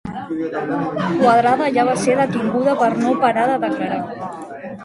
Quadrada ja va ser detinguda per no parar de declarar.